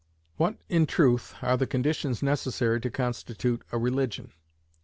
What, in truth, are the conditions necessary to constitute a religion?